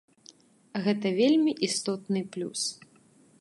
Гэта вельмі істотны плюс.